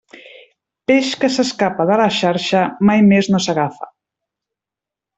Peix que s'escapa de la xarxa mai més no s'agafa.